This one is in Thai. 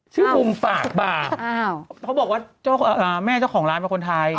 ชื่อกุมฝากบามแม่เจ้าของร้านเป็นคนไทย